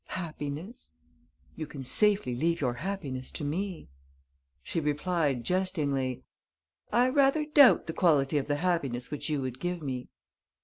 "Happiness." "You can safely leave your happiness to me." She replied, jestingly: "I rather doubt the quality of the happiness which you would give me."